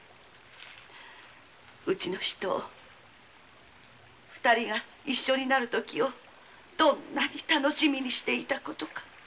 うちの人二人が一緒になるときをどんなに楽しみにしていたか。